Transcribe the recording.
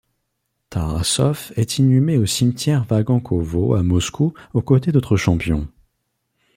Tarassov est inhumé au cimetière Vagankovo à Moscou aux côtés d'autres champions.